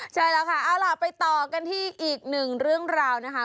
ใช่แล้วค่ะเอาล่ะไปต่อกันที่อีกหนึ่งเรื่องราวนะคะ